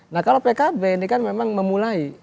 nah kalau pkb ini kan memang memulai